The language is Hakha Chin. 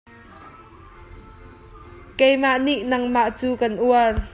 Keimah nih nangmah cu kan uar.